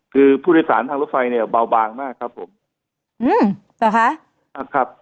คือผู้โดยสารทางรถไฟเนี่ยเบาบางมากครับผมอืมเหรอคะครับ